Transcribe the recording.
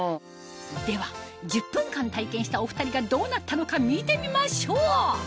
では１０分間体験したお２人がどうなったのか見てみましょう！